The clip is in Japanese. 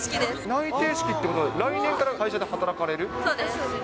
内定式ってことは、来年から会社で働かれる？